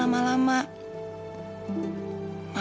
nanti kalau ada apa apa sama dia